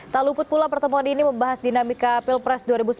tak luput pula pertemuan ini membahas dinamika pilpres dua ribu sembilan belas